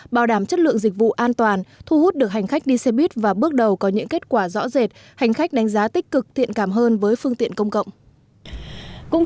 bảo đảm chất lượng dịch vụ an toàn thu hút được hành khách đi xe buýt và bước đầu có những kết quả rõ rệt hành khách đánh giá tích cực thiện cảm hơn với phương tiện công cộng